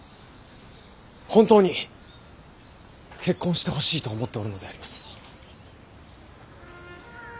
本当に結婚してほしいと思っておるのであります。